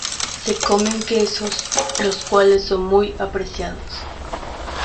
Se comen quesos, los cuales son muy apreciados.